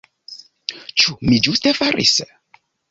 Ĉu mi ĝuste faris?